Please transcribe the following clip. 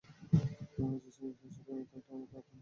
মনে হচ্ছে, সমস্যা আসলেই নতুন একটা মাত্রা ধারণ করেছে!